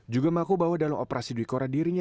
juga mengaku bahwa dalam operasi duit korat dirinya